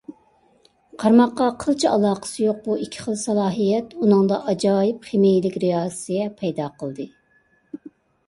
قارىماققا قىلچە ئالاقىسى يوق بۇ ئىككى خىل سالاھىيەت ئۇنىڭدا ئاجايىپ« خىمىيەلىك رېئاكسىيە» پەيدا قىلدى.